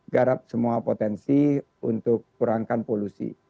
garap semua potensi untuk kurangkan polusi